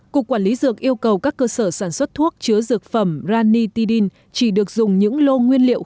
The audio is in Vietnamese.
cục quản lý dược yêu cầu các cơ sở sản xuất thuốc chứa dược phẩm ranitidin chỉ được dùng những lô nguyên liệu